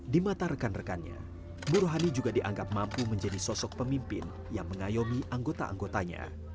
di mata rekan rekannya bu rohani juga dianggap mampu menjadi sosok pemimpin yang mengayomi anggota anggotanya